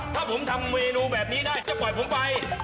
ถ้าผมทำเมนูแบบนี้ได้จะปล่อยผมไป